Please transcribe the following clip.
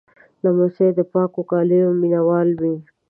لمسی د پاکو کالیو مینهوال وي.